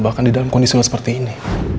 bahkan di dalam kondisi seperti ini